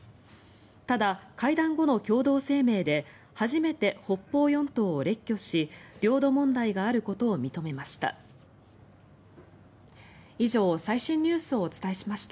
ただ、会談後の共同声明で初めて北方四島を列挙し領土問題があることを認めました。